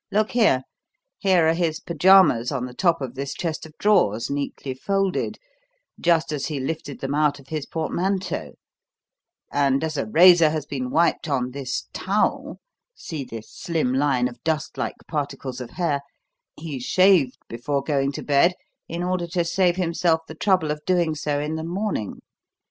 Look here; here are his pyjamas on the top of this chest of drawers, neatly folded, just as he lifted them out of his portmanteau; and as a razor has been wiped on this towel (see this slim line of dust like particles of hair), he shaved before going to bed in order to save himself the trouble of doing so in the morning.